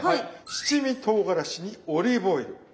七味とうがらしにオリーブオイル。